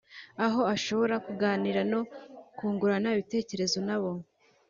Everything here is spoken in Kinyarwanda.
aho ashobora kuganira no kungurana ibitekerezo nabo